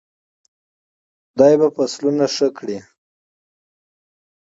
خدای به فصلونه ښه کړي.